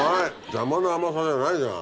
邪魔な甘さじゃないじゃん。